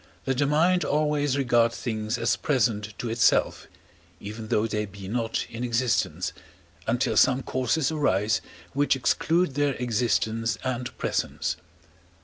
that the mind always regards things as present to itself, even though they be not in existence, until some causes arise which exclude their existence and presence.